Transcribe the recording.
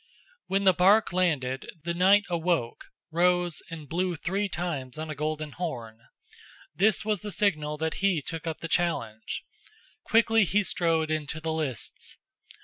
When the bark landed, the knight awoke, rose, and blew three times on a golden horn. This was the signal that he took up the challenge. Quickly he strode into the lists.